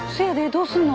どうすんの？